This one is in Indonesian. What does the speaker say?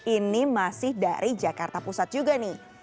ini masih dari jakarta pusat juga nih